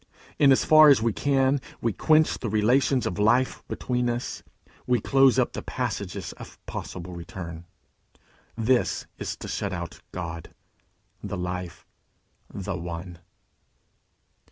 In as far as we can, we quench the relations of life between us; we close up the passages of possible return. This is to shut out God, the Life, the One.